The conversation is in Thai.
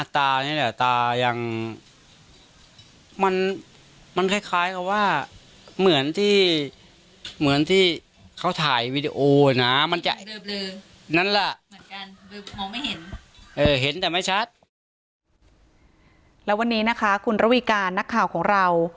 แล้ววันนี้นะคะคุณระวีการนักข่าวของเรา